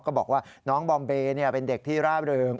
ก็บอกว่าน้องบอมเบย์เป็นเด็กที่ร่าเริง